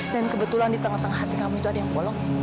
kebetulan di tengah tengah hati kamu itu ada yang bolong